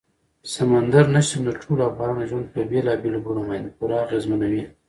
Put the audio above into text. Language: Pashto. سمندر نه شتون د ټولو افغانانو ژوند په بېلابېلو بڼو باندې پوره اغېزمنوي.